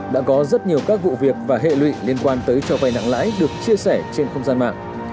đã có rất nhiều các vụ việc và hệ lụy liên quan tới cho vay nặng lãi được chia sẻ trên không gian mạng